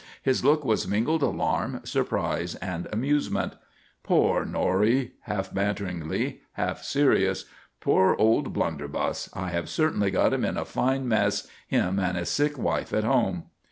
His look was mingled alarm, surprise and amusement. "Poor Norrie!" half banteringly, half serious. "Poor old blunderbuss. I have certainly got him in a fine mess, him and his sick wife at home."